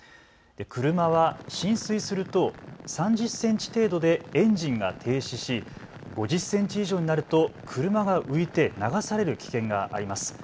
車は浸水すると３０センチ程度でエンジンが停止し５０センチ以上になると車が浮いて流される危険があります。